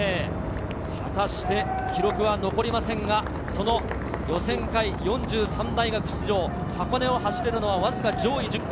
果たして記録は残りませんが、その予選会３３大学出場、箱根を走るのはわずか上位１０校。